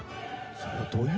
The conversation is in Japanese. それはどういう？